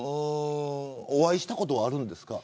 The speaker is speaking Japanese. お会いしたこと、あるんですか。